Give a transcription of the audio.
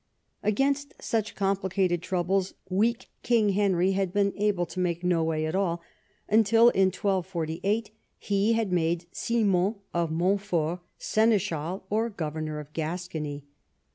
Against such complicated troubles, weak King Henry had been able to make no way at all, until in 1248 he had made Simon of Montfort seneschal or governor of Gascony.